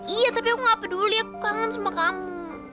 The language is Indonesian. iya tapi aku gak peduli aku kangen sama kamu